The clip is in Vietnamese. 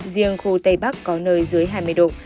riêng khu tây bắc có nơi dưới hai mươi độ